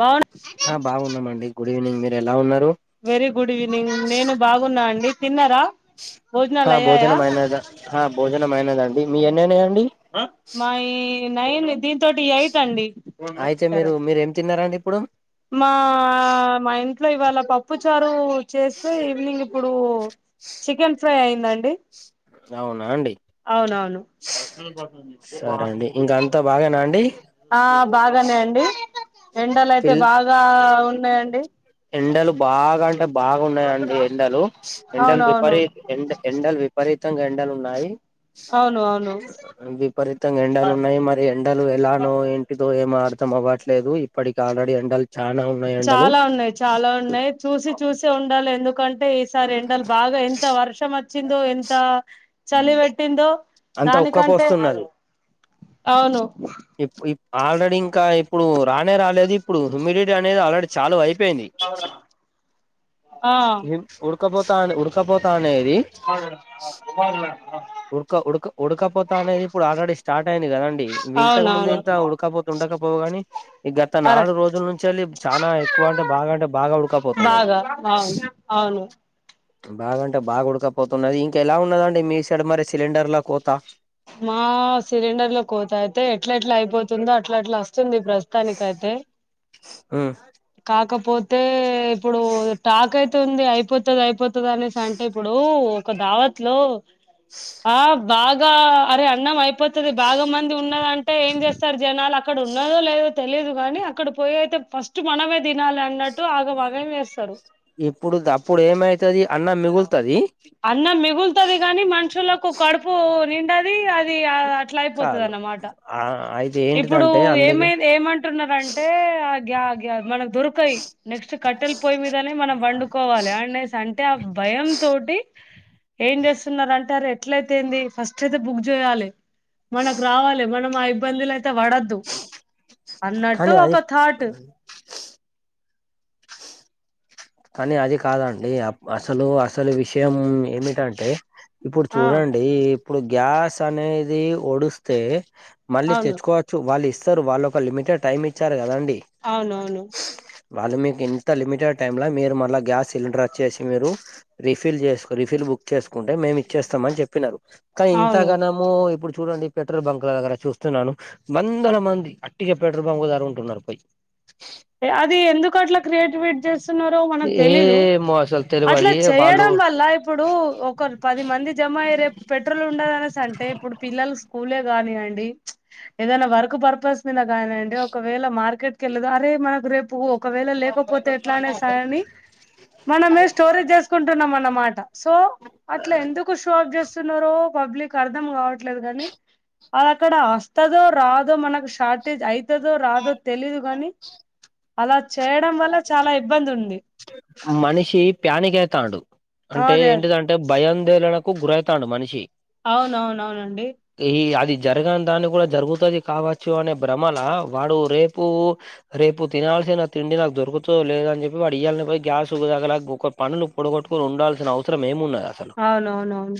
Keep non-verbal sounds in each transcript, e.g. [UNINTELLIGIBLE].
బావున్నా అ బాగున్నామండి గుడ్ ఈవెనింగ్ మి ఎలా ఉన్నార్ వెరీ గుడివినింగ్ నేను బాగున్నా అండి తిన్నర అ భోజనం అయినాద ఆ భోజన మైనదండి మీ ఎన్ననయిన అండి మై నైన్ దింతోటి ఎయిట్ అండి అయితె మిరు మిరేం తిన్నారండి ప్పుడు మా మా ఇంటి ట్లో ఇవాళ పప్పు చారూ చేస్తే ఈవినింగ్ ఇప్పుడు చికెన్ ఫ్రై అయిందండి అవునా అండి అవునవును [INAUDIBLE] సరే అండి ఇంక అంతా బాగేనా అండి ఆ బాగానే అండి ఎండల్ అంటే పిల్ బాగా ఉన్ ఉన్నాయండి ఎండలు బాగా అంటే బాగున్నాయి అండ్ డి ఎండలు ఎండలు అవునవును విపరీత్ ఎ ఎండల్ విపరీత్ త్తంగా ఎండలు ఉన్నాయి అవును అవును విపరీతంగా ఎండలు ఉన్నాయి మరి ఎండలు ఎలానో ఏంటిదో ఎమో అ తం అవ్వట్లేదు ఇప్పటికి ఆల్రెడీ ఎండల్ చానా ఉన్నాయి ఎండలు చాలా ఉన్నాయి చాలా ఉన్నాయి చూసి చూసి ఉ ాల ఎందుకంటే టే ఈసారి ఎండలు బాగా ఎంత వర్షం వచ్చిందో ఎంతా చలి వెెట్టిందో అంతా దానికంటె ఉక్కపోస్తున్నది అవును ఇప్ ఇప్ ఆల్రెడీ ఇంకా ఇప్పుడు రానే రాలేదు ఇప్పుడు హ్యూమిడిటీ అనేది ఆల్రెడీ చాలు హై పెన్ని ఆ [UNINTELLIGIBLE] ఉక్కపోత అనే ఉడకపోత అనే ది ఉడక ఉడక ఉడకపోతా అనేది ఇప్పుడు ఆల్రెడీ స్టార్ట్ అయింది కదండి ఇవి ఇంతకు ముందు అవునవును ఇంత వుడకపోత ఉండకపోవు గాని గత కరెక్ట్ నాలుగు రోజుల నుంచి అది చాలా ఎక్కువ అంటే బాగా అంటే బాగా ఉడకపోతున్నది అవు అవును బాగంటె బాగా ఉడకపోతున్నది ఇంక ఎలా ఉన్నదండి మీ సైడు మరి సిలిండర్ ల కోత మా సిలిండర్ లో కోత అయితే ఎట్ల ఎట్లా అయిపోతుందో అట్ల ఎట్లా వస్తు వచ్చింది ప్రస్తుతానిక అయితె ఉ కాకపోతే ఇప్పుడు టాక్ తుంది అయిపోతది అయిపోత తుద అంటే ఇప్పుడు ఒక దావత్ లో ఆబ్ బాగా అరె అన్నం అయిపో బాగా మంది ఉన్నదంటే ఏం చేస్తారు జనాలు అక్కడ ఉన్నదో లేదో తెలిదు కానీ అక్కడ పోయి అయితే ఫస్ట్ ట్ మనమే తినాలి అన్నట్టు ఆగం ఆగం చేస్తారు ఇప్పుడిది అప్పుడు ఏమై అన్నం మిగులుతది గాని మనుషులకు కడుపూ నిం అది [UNINTELLIGIBLE] అట్లా అయిపోతది కాదు అన్నమాట ఆ అయితే ఇప్పుడు ఏంటిదంటే అందుకే ఏమై ఏమంటున్నారు అంటే గ్యా గ్యా మడత్ దొరకయి నెక్స్ట్ కట్టెల్ పొయి మీదనే మనం వండుకోవాలి ఆన్నే స భయం తోటి ఏం చేస్తున్నారు అంటారు ఎట్లయితే ఏంది ఫస్ట్ అయితే బుక్ చేయాలి మనకు రావాలి మనం అయ్ [UNINTELLIGIBLE] త వడద్దు అన్నట్టు కానీ అది ఒక థాట్ కాని అది కాదండి అసలు అసలు విషయం ఏమిటంటే ఇప్పుడు ఆ చూడండి ఇప్పుడు గ్యాస్ చఅనేది ఓస్తే మళ్ళీ అవును తెచ్చుకోవచ్చు వాలిస్ సార్ వాళ్ళొక లిమిటెడ్ టైమ్ ఇచ్చారు కదండి అవును అవును వాలమికి ఎంత లిమిటెడ్ టైమ్ ల మీరు మళ్ళ గ్యాస్ సిలిండర్ వచ్చేసి మీరు రీఫిల్ చేసుకొ రిఫిల్ బుక్ చేసుకుంటే మేము ఇచ్చేస్తామని చెప్పినారు కని ఇంత అవును గనము ఇప్పుడు చూడండి పెట్రోల్ బంక్ల దగ్గర చూస్తున్నాను వందల మంది అట్టిగా పెట్రోల్ బంక్ దగర ఉంటున్నారు పై అది ఎందుకు అట్లా క్రియేట్ విట్ చేస్తున్నారో మనకు తెలీదు ఏమో అసలు అట్లా తెలవది వాళ్ళు చేయడం వల్ల ఇప్పుడు ఒక పది మంది జమ అయరే పెట్రోల్ ఉండదు అనేసి అంటే ఇప్పుడు పిల్లలు పూలే గానియంండి ఏదైనా వర్క్ పర్పస్ మీద కానిండి ఒకవేళ మార్కెట్ క వెళ్లేదు ఏమనకురేపు ఒకవేళ లేకపోతే ఎట్లానే స అని మనమే స్టోరేజ్ చేసుకుంటున్నాం మనం మాట సో అట్లా ఎందుకు షూ అబ్జస్ ఇంది న్నరో పబ్లిక్ అర్థం కావట్ ట్లేదు గానీ అది అక్కడ వస్తదో రాదో మనకు షార్టేజ్ అయి త్ అదో రాదో తెలీదు గాని అలా చేయడం వల్ల చాలా ఇబ్బంది ఉంది మనిషి పేనిక్ అయితడు అంటే అదే అదే ఇంటిదంటే భయందే కు గురవుతాడు మనిషి అవునవునవునండి ఈ అది జరగని దాన్ని కూడా జరుగుతుది కావచ్చు అనే భ్రమల వాడు రేపు రేపు తినాల్సిన నా తిండి నాకు దొరుకుత లేద అని చెప్పి వాడు ఇయాల గ్యాస్దగలా ఒక పనులు పొడగట్టుకుని ఉండాల్సిన అవసరం ఏము ఉన్నది అవునవునవును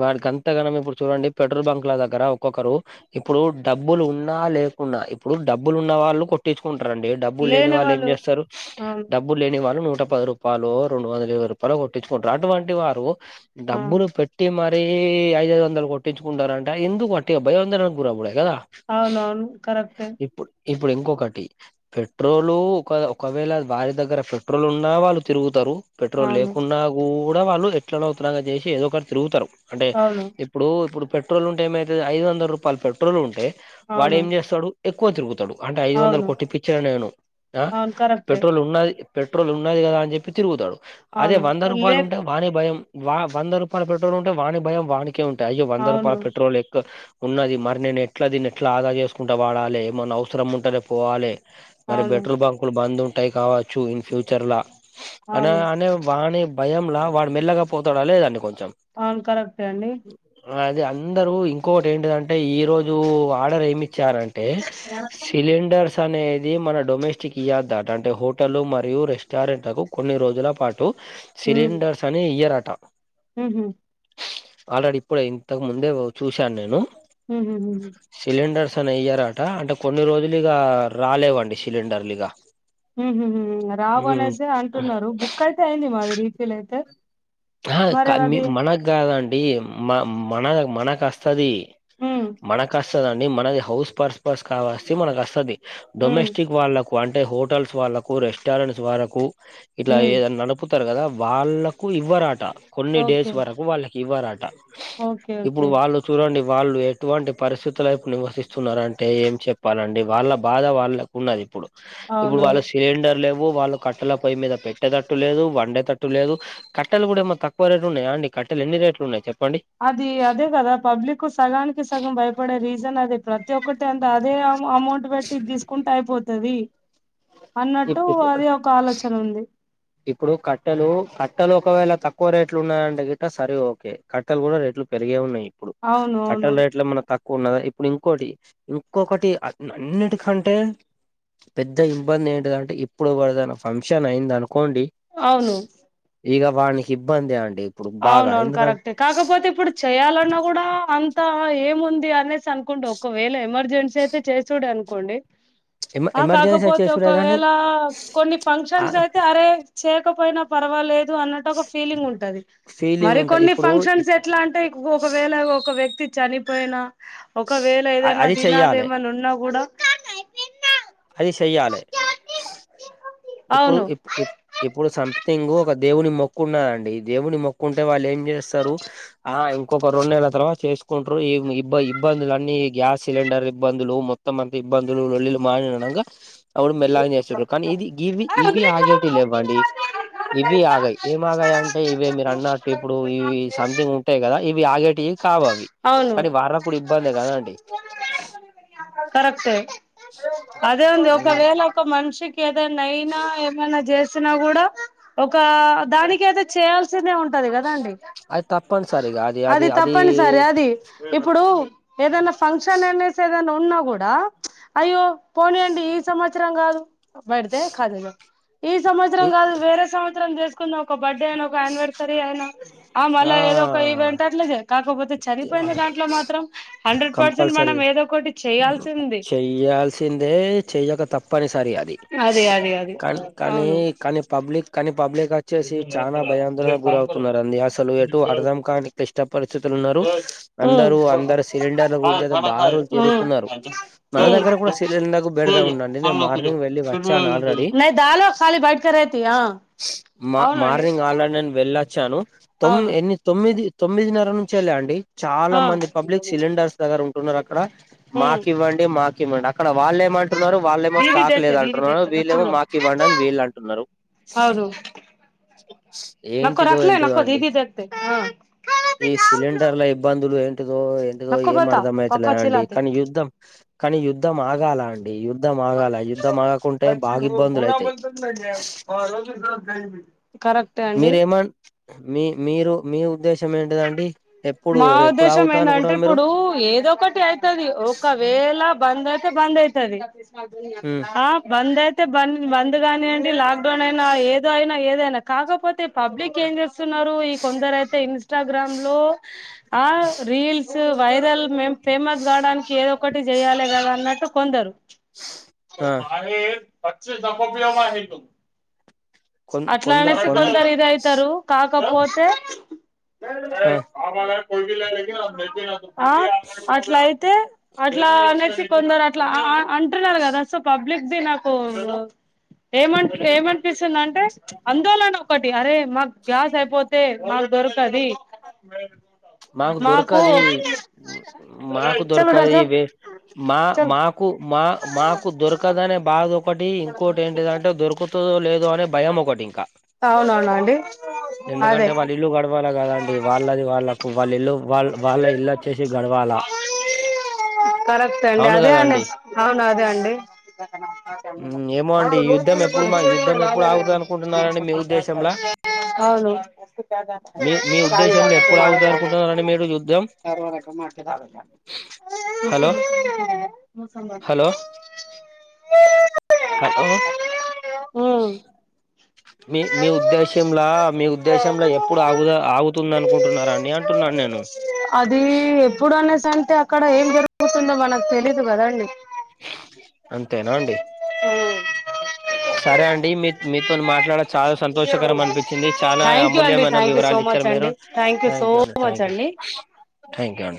వాడికింతాగానం ఇప్పుడు చూడండి పెట్రోల్ బంక్ల దగ్గర ఒక్కొక్కరు ఇప్పుడు డబ్బులు ఉన్నా లేకున్నా ఇప్పుడు డబ్బులు ఉన్న వాళ్ళు కొట్టించుకుంట డబ్బు లేని లేనివాళ్లు ఎం వాళ్ళు చేస్తారు. అవును డబ్బు వాళ్ళు నూట పది రూపాయలు రెండు వందల ఇవై రూపాయలు కొట్టించుకుంటారు అటువంటి వారు ఆ డబ్బును పెట్టి మ ఐదు ఐదు వందలు కొట్టిచ్చుకుంటారంట ఎందుకు అట్టిగ [UNINTELLIGIBLE] అవునవును కరెక్టే ఇప్పుడు ఇప్పుడు ఇంకొకటి పెట్రోల్ ఒక ఒకవేళ వారి దగ్గర పెట్రోలు ఉన్నా వాళ్ళు తిరుగుతరు. పెట్రోల్ అవును లేకున్నా గూ గ వాళ్ళు ఎట్లనో తునగా జేసి ఏదో ఒకరు తిరుగుతరు అంటే అవును ఇప్పుడు ఇప్పుడు పెట్రోల్ ఉంటే ఏమైతది ఐదు వందల రూపాయలు పెట్రోల్ ఉంటే అవును వాడేం చేస్తడు ఎక్కువ తిరుగుతడు. అంటే ఐదు వందలు అవును కొట్టిప్పిచ్చిన నేను ఆ అవును కరెక్టే పెట్రోల్ ఉన్నది పెట్రోల్ ఉన్నది గదా అని జెప్పి తిరుగుతడు. అదే అవును వంద రూపాయలు లేక్ ఉంటే వాని భయం వా వంద రూపాయల పెట్రోల్ ఉంటే వాని భయం వాని కే ఉంటాయి ఇగ వంద అవును రూపాయల పెట్రోల్ ఎక్క ఉన్నది మరి నేను ఎట్ల దీన్ని ఎట్ల ఆదా చేసుకుంటా వాడాలే, ఏమన్న అవసరం ఉంటనే పోవాలే. మరి అవును బెట్రోల్ బంకులు బందు ఉంటై కావచ్చు ఇన్ ఫ్యూచర్ల అనే అవును అనే వానీ భయంలా వాడు మెల్లగ పోతడ లేదా అండి కొ అవును కరెక్టే అండి. అది అందరు ఇంకొకటి ఏంటిదంటే ఈ రోజు ఆర్డర్ ఏమి చ్చారంటే సిలిండర్స్ అనేది మన డొమెస్టిక్ ఇయాదటయ్క అంటే హోటల్ మ రియు రెస్టారెంట్లకు కొన్ని రోజుల పా టు ఉమ్ సిలిండర్స్ అని ఇయర్ ట ఉహు ఆల్రెడీ ఇప్పుడే ఇంతకు ముందే చూశాను నేను హ్మ్ హు హు హు చన ఇయారటా అంటే కొన్ని రోజులిగా రాలేవండి సిలిండర్లు ఇగ హ్మ్ హు హు హు అద్ రావు ఉమ్ అనేసి అంటున్నారు బుక్ అయితే అయింది మాది రీఫిల్ అయితే. ఆ క మరి అది మనక్ గాదం డి మ మన మనకు అస్తదీ హ్మ్. మనకాస్ స్తదండి మనది హౌస్ పర్స్ పర్స్ కావసై మనకు వస్తది హ్మ్. డొమెస్టిక్ వాళ్ళ వంటే హోటల్స్ వాళ్ళకు రెస్టారెంట్స్ వాళ్ళకు ఇట్లా హ్మ్. ఏదనలపు తరు కదా వాళ్ళకు ఇ వ్వరాట కొన్ని డేస్ ఓకే. వరకు వాళ్ళ కి ఇవ్వరాట ఓకే. ఇప్పుడు ఓకే. వాళ్ళు చూడండి వాళ్ళు ఎటువంటి పరిస్థితులైపు నివసిస్తున్నారు అంటే ఏం చెప్పాలండి వాళ్ళ బాధ వాళ్ళకున్నది ఇప్పుడు ఇప్పుడు అవును. వాల సిలిండర్ లేవ్ ఓహ్ వాళ్ళు కట్టల పోయి మీదా పెట్టేటట్టు లేదు వండేటట్టు లేదు కట్టలు కూడా ఎమా తక్కువ రేట్లు ఉన్నాయా అండి కట్టెలు ఎన్ని రేట్లున్నాయి చెప్ అది అదే కదా పబ్లిక్ సగానికి సగం భయపడే రీజన్ అది ప్రతి ఒక్కటి అంత అదే అమౌంట్ పెట్టి ఇది తీసుకుంటే అయిపోతది అన్నట్టు ఇప్పుడిప్పుగ అదే ఒక ఆలోచన ఉంది. ఇప్పుడు కట్టెలు కట్ కట్టలు ఒకవేళ తక్కువ రేట్లు ఉన్నాయంటే గిట సరే ఓకే కట్టెలు కూడా రేట్లు పెరిగే ఉన్నాయి ప్పుడు కట్టెల అవునవును. రేట్లు ఏమన్నా తక్ కున్నది ఇప్పుడు ఇంకోటి ఇంకొక్కటి అన్ అన్నిటికంటే పెద్ద ఇబ్బంది ఏదంటే ఇప్పుడు ఎవరిదైనా ఫంక్షన్ అయిందను కోండి అవును. ఇగ వానికి ఇబ్బంది అండి ఇప్పుడు అవును బాగా అవును కరెక్టే ఎందుకంటే కాకపోతే ఇప్పుడు చేయాలన్నా కూడా అం త ఏముంది అనేసి అనుకోండి ఒకవేళ ఎమర్జెన్సీ అయితే చేసూడు అనుకోండి ఎమ ఆ ఎమర్జెన్సీ కాకపోతే చేసుడే గాని ఒకవేళ కొన్ని ఆ ఫంక్షన్స్ అయితే అరే చే కపోయినా పర్వాలే దు అన్నట్టు ఒక ఫీలింగ్ ఉంటాది ఫీలింగ్ మరి ఉంటది కొన్ని ఇప్పుడు ఫంక్షన్స్ ఎట్లా అంటే ఒకవేళ ఒక ఒక వ్యక్తి చనిపోయినా ఒకవేళ అ ఏదైనా అది తినాలి చెయ్యాలి ఏమన్నా ఉన్నా కూడా చెయ్యాలె ఇప్పుడు అవును ఇప్ ఇప్ ఎప్పుడు సం తింగు ఒక దేవుని మొక్కు ఉన్నదండి ఈ దేవుని మొక్కు ఉంటే వాళ్ళు ఏం చేస్తారు ఆ ఇంకొక రెండు నెలల తర్వాత చేసుకుంటారు ఈ ఇబ్బ ఇబ్బందులు అన్నిీ గ్యాస్ సిలిండర్ ఇబ్బందులు మొత్తం అంత ఇబ్బందులు ల్లిలు మానినంక అవుడు మెల్లగా చేసిర్రు కానీ ఇది ఇవి ఇవి ఆగేటివి లేవండి ఇవి ఆగాయి ఏం ఆగయ్ అంటే ఇవి మీరు అన్నట్టు ఇప్పుడు ఇవి సథింగ్ ఉంటయ్ కదా ఇవి ఆగేటివి కావు అవి అవును కానీ వారకు కుడ ఇబ్బందే కదా అండి కరెక్టే అదే ఉంది ఒకవేళ ఒక మనిషికి ఏదన్నైయినా ఏమన్నా చేస సినాగూడ ఒక దానికి అయితే చేయాల్సినయి ఉన్ టది కదా అండి అది తప్పనిసరి అది ఇప్పుడు ఏదైనా ఫంక్షన్ అనే సరి ఏదన్న ఉన్నా కూడా అయ్యో పోనీయండి ఈ సంవత్సరం కాదు బెడితే కాదను ఈ సంవత్సరం కాదు వేరే సం చేసుకున్నా ఒక బడ్డే అయిన ఒక అనివర్సరీ అయినా ఆ మళ్ళా ఏదో ఈవెంట్ అట్లా కాకపోతే చనిపోయిన దాంట్లో మాత్రం హండ్రెడ్ పర్సెంట్ కంపల్సరీ మనం ఏదో ఒకటి చేయాల్సింది చెయ్యాల్సిందే చెయ్యక తప్పనిసరి అది అదే అదే అదే కానీ కానీ అవును కానీ పబ్లిక్ కానీ పబ్లిక్ గచ్చేసి ఆ భయాందోళనకు గురవుతున్నారండి అసలు ఎటు అర్థం కాని క్లిష్టప న్నారు ఉమ్ అందరు అందరు సిలిండర్ల గురించి అయితే బారులు తరుగుతున్నారు మన ఉమ్ దగ్గర కూడా సిలిండర్ బడత ఉమ్ ఉండండి నేను మార్నింగ్ వెళ్ళి వచ్చాను ఆల్రెడీ నహీ దాలో ఖాలి బైట్ క రేతి ఆ మా అవునండి మార్నింగ్ ఆలా నేను వెళ్ళొచ్చాను తొమ్ అవును ఎన్ని తొమ్మి అది తొమ్మిదిన్నర నుంచే వెళ్లేయండి చాలా ఆ మంది పబ్లిక్ సిలిండర్స్ దగ్గర ఉ తున్నారు హా ఉమ్ మాకి ఇవ్వండి మాకు [UNINTELLIGIBLE] అక్కడ వాళ్ళేమంటున్నారు వాళ్ళేమో దీది స్టాక్ దేతే లేదు దీది అంటున్నారు దేతే వీళ్ళేమో కచ్చిగ మాకి ఇవ్వండి అని వీళ్ళ అంటున్నారు ఏంటిదో ఏంటిదో అండి ఈ సిలిండర్ల ఇబ్బందులు ఏంటిదో ఏంటిదో నక్క ఏం పోతా అర్థం పప్పా అవుతులే అండి చిలాతే కానీ యుద్ధం కానీ యుద్ధం ఆగాల అం యుద్ధం ఆగాల యుద్ధం ఆగకుంటే బాగా ఇబ్బందులు అయితాయి వె కరెక్టే అండి మీరేమన్ మీ మీరు మీ ఉద్దేశం ఏంటిదండి ఎప్పుడు మా ఎప్పుడు ఉద్దేశం ఆగుతా ఏంటంటే అనుకుంటున్నారు మీరు ఇప్పుడు ఏదో ఒకటి అయితది ఒకవేళ బంద్ అయితే బంద్ అయితది ఉమ్ ఆ బందే బంద్ బంద్ గాని అండి లాక్ నా ఇంట్లో ఏదో అయినా ఏదైనా కాకపోతే పబ్లిక్ ఏంజెస్ స్తున్నారు ఈ కొందరు అయితే ఇన్స్టాగ్ర ఆ రీల్స్ చూ వైరల్ మేం ఫేమస్ కావడానికి ఏదో ఒకటి చేయాలి కదా అన్నట్టు కొందరు కొ ఆ మ పచ్చి సకోబమా హిందు కొ అట్లా కొంద అనేసి కొంద కొందరు ఇది అయితారు క కాకపోతే ఆ, ఆ అట్లయితే ఎట్లా కొందరట్ల అంటున్నారు కదా సో పబ్లిక్ ది నాకు ఏం ఏమనిపిస్తుంది అంటే అందలో ఒక్కటి అరేయ్ మాకు గ్యాస్ అయిపోతే మాకు మరి మాకు దొరకది మాకు చలో దర్శన్ దొరకది మా చల్ మాకు మా మాకు దొరకదనే బాధ ఒకటి ఇంకోటి ఏంటిదంటే దొరకతదో లేదో అనే భయం ఒకటి ఇంకా అవునవునా అండి అదే ఎందుకంటే వాళ్ళ ఇల్లు గడవాలా కదండి వాళ్ళది వాళ్ళకు వాళ్ళ ఇల్లు వాళ్ళ వాళ్ళ ఇల్లు వచ్చేసి గడవాలా కరెక్ట్ అండి అదే అండి అవును అదే అండి ఏమో అండి యుద్ధం ఎప్పుడు మా యుద్ధం ఎప్పుడు ఆగ్ మీ మీ ఉద్దేశంలో ఎప్పుడు ఆగుతది అనుకుంటున్నారండి మీరు యుద్ధం హలో హలో అవును హలో ఉమ్ [INAUDIBLE] మీ మీ ఉద్దేశంలో మీ ఉద్దేశంలో ఎప్పుడు ఆగుతుంది ఆగుతుంది అనుకుంటున్నారాండి అంటున్నాను నేను అది ఎప్పుడు అనేసి అంటే అక్కడ ఏం జరుగుతుందో మనకు తెలీదు కదా అండి అంతేనా అండి సరే అండి మీ మిత్ తో ని మాట్లాడ చాలా సంతోషకరం అనిపించింది చాలా థ్యాంక్యూ అండి అమూల్యమైన థ్యాంక్యూ సో వివరాలు మచ్ ఇచ్చారు అండి మీరు thank you so thank you much thank you అండి థ్యాంక్ యూ అండి